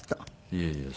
いえいえ。